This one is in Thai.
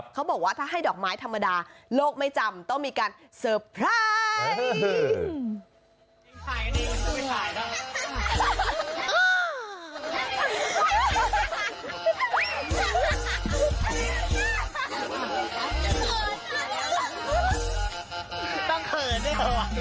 เขาบอกว่าถ้าให้ดอกไม้ธรรมดาโลกไม่จำต้องมีการเซอร์ไพรส์